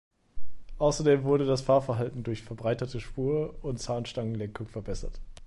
Außerdem wurde das Fahrverhalten durch verbreiterte Spur und Zahnstangenlenkung verbessert.